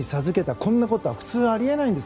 こんなことは普通あり得ないんです。